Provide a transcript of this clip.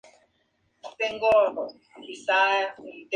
Merkel y su familia se trasladaron a un rancho que poseían en Nueva Zelanda.